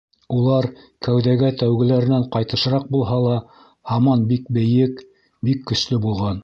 Улар кәүҙәгә тәүгеләренән ҡайтышыраҡ булһа ла, һаман бик бейек, бик көслө булған.